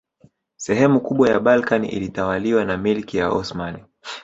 Sehemu kubwa ya Balkani ilitawaliwa na milki ya Osmani